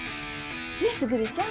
ねえ？卓ちゃん。